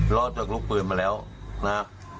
รอดจากลูกปืนมาแล้วนะฮะ